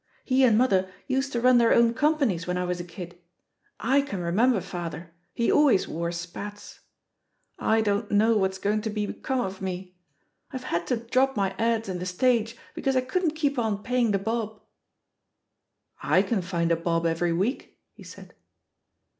He and mother used to run their own companies when I was a kid. I can remember father — ^he always wore spats. I don't know l^hat's going to become of me ! I've had to drop THE POSITION OF PEGGY HARPER fl» my ads in The Stage because I couldn't keep on paying the bob," ^^I can find a bob every week/' he said.